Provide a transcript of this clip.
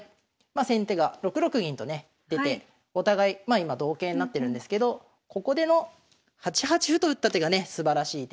まあ先手が６六銀とね出てお互いまあ今同型になってるんですけどここでの８八歩と打った手がねすばらしい手で。